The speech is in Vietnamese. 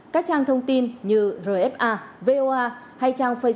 các trang thông tin như rfa voa hay trang facebook